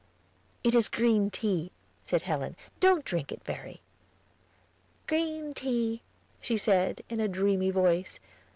"It is green tea," said Helen; "don't drink it, Verry." "Green tea," she said, in a dreamy voice.